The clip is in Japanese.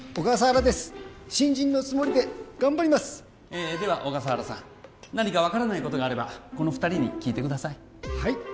新人のつもりで頑張りますえでは小笠原さん何か分からないことがあればこの二人に聞いてください